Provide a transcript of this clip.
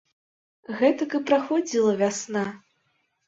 Гэтак і праходзіла вясна.